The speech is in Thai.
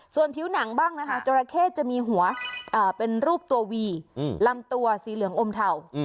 ส่วนผิวหนังบ้างนะคะจราเข้จะมีหัวเป็นรูปตัววีลำตัวสีเหลืองอมเทา